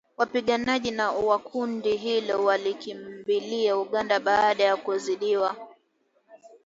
Wapiganaji wa kundi hilo walikimbilia Uganda baada ya kuzidiwa